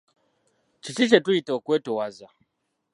Kiki kye tuyita okwetowaza?